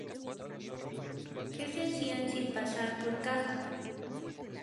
que se hacían, sin pasar por caja